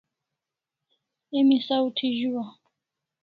Emi saw thi zu a